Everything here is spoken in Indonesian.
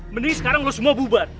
mending sekarang loh semua bubar